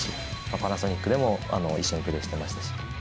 パナソニックでも一緒にプレーしてました。